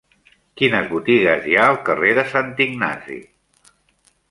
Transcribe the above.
Quines botigues hi ha al carrer de Sant Ignasi?